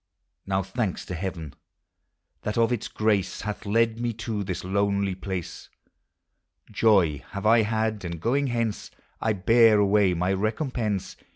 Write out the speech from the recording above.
Now thanks to Heaven! that of its grace Hath led me to this lonely place; Joy have I had; and going hence T bear away my recompense.